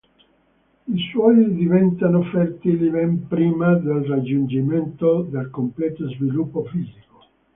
I suini diventano fertili ben prima del raggiungimento del completo sviluppo fisico.